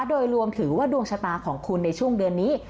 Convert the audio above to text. โดยรวมถือว่าดวงชะตาของคุณในช่วงเดือนนี้